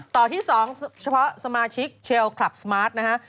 ต่อที่๒เฉพาะสมาชิกเชลคลับสมาร์ทนะฮะ